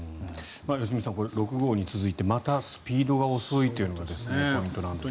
良純さん、６号に続いてまたスピードが遅いというのがポイントなんですね。